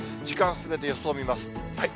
時間進めて予想見ます。